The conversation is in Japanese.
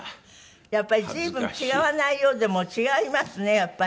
やっぱり随分違わないようでも違いますねやっぱり。